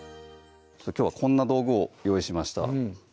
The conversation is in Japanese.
きょうはこんな道具を用意しました